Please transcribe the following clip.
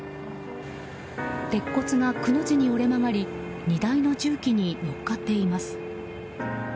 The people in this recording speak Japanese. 鉄骨が、くの字に折れ曲がり荷台の重機に乗っかっています。